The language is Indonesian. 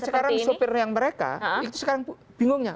nah sekarang sopir yang mereka bingungnya